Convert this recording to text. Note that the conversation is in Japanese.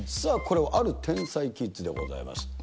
これはある天才キッズでございます。